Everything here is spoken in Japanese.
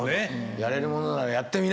やれるものならやってみな。